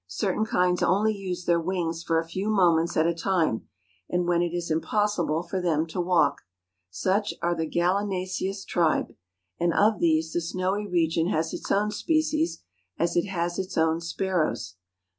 Certain kinds only use their wings for a few moments at a time, and when it is impossible for them to walk. Such are the galli¬ naceous tribe; and of these the snowy region has its own species, as it has its own sparrows.